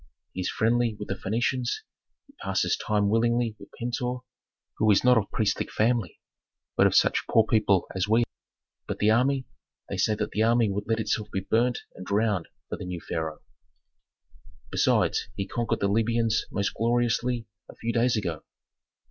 "He is friendly with the Phœnicians; he passes time willingly with Pentuer, who is not of priestly family, but of such poor people as we. But the army, they say the army would let itself be burnt and drowned for the new pharaoh." "Besides, he conquered the Libyans most gloriously a few days ago."